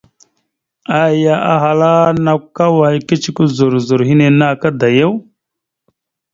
Aya ahala: « Nakw kawa kecəkwe zozor henne naka da yaw? ».